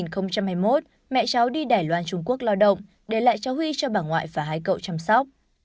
năm hai nghìn hai mươi một mẹ cháu đi đài loan trung quốc lao động để lại cho huy cho bà ngoại và hai cậu chăm sóc